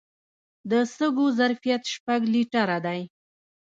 د سږو ظرفیت شپږ لیټره دی.